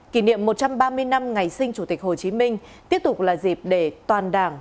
kỷ niệm một trăm ba mươi năm ngày sinh chủ tịch hồ chí minh tiếp tục là dịp để toàn đảng